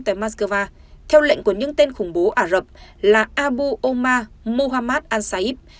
tại moscow theo lệnh của những tên khủng bố ả rập là abu omar muhammad al saib